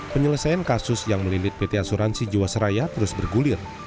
penyelesaian kasus yang melilit pt asuransi jiwasraya terus bergulir